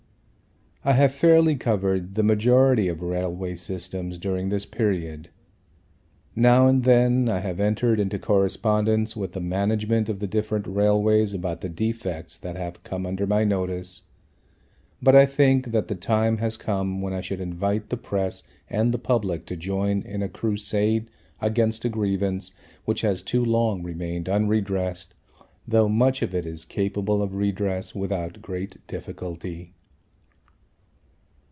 I have fairly covered the majority of railway systems during this period. Now and then I have entered into correspondence with the management of the different railways about the defects that have come under my notice. But I think that the time has come when I should invite the press and the public to join in a crusade against a grievance which has too long remained unredressed, though much of it is capable of redress without great difficulty.